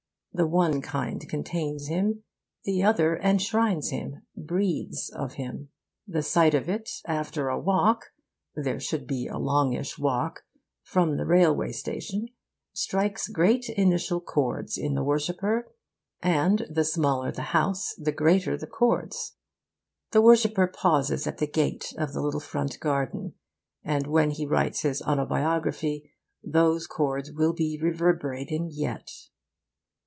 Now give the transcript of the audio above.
The one kind contains him, the other enshrines him, breathes of him. The sight of it, after a walk (there should be a longish walk) from the railway station, strikes great initial chords in the worshipper; and the smaller the house, the greater the chords. The worshipper pauses at the gate of the little front garden, and when he writes his autobiography those chords will be reverberating yet.